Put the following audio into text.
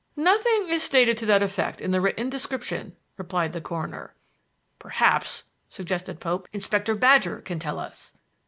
"Nothing is stated to that effect in the written description," replied the coroner. "Perhaps," suggested Pope, "Inspector Badger can tell us."